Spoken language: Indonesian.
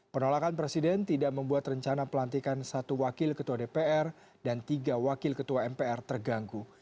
penolakan presiden tidak membuat rencana pelantikan satu wakil ketua dpr dan tiga wakil ketua mpr terganggu